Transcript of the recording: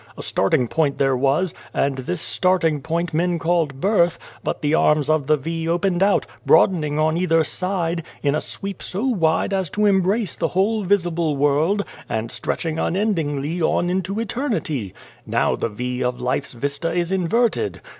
A starting point there was, and this starting point men called birth : but the arms of the V opened out, broadening on either side, 274 A World Without a Child in a sweep so wide as to embrace the whole visible world, and stretching unendingly on into Eternity. Now the V of life's vista is inverted.